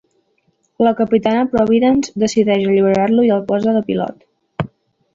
La capitana Providence decideix alliberar-lo i el posa de pilot.